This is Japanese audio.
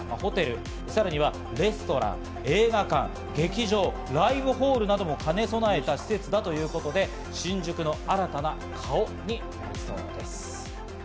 この中にはホテル、さらにはレストラン、映画館、劇場、ライブホールなども兼ね備えた施設だということで、新宿の新たな顔になりそうです。